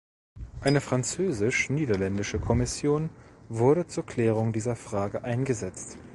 Eine französisch-niederländische Kommission wurde zur Klärung dieser Frage eingesetzt.